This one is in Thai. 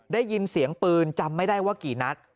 ได้ยินเสียงปืนจำไม่ได้ว่ากี่นัด